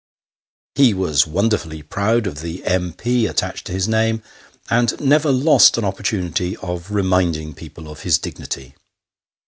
He was wonderfully proud of the M.P. attached to his name, and never lost an opportunity of reminding people of his dignity.